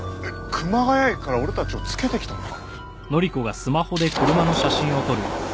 熊谷駅から俺たちをつけてきたのか？